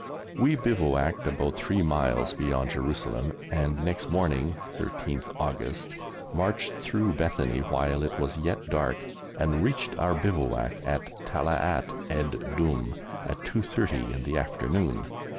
We bivouacked about three miles beyond Jerusalem, and next morning (13th August) marched through Bethany while it was yet dark, and reached our bivouac at Talaat ed Dumm at 2.30 in the afternoon.